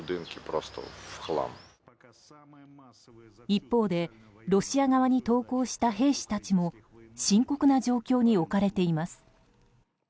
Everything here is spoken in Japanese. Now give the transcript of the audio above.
一方でロシア側に投降した兵士たちも深刻な状況に置かれています。